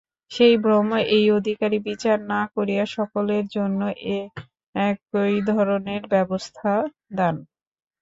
সেই ভ্রম এই অধিকারী বিচার না করিয়া সকলের জন্য একই ধরনের ব্যবস্থা-দান।